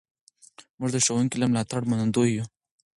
موږ د ښوونکي له ملاتړه منندوی یو.